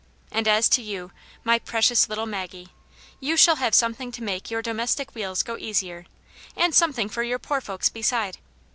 And as to you, my precious little Maggie, you shall have something to make your domestic wheels go easier, and something for your poor folks beside.